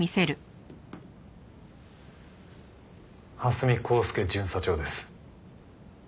蓮見光輔巡査長です。